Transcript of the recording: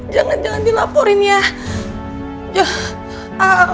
jangan jangan dilaporin ya